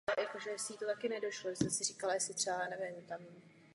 Před druhou světovou válkou měla východní část parku status městské přírodní rezervace.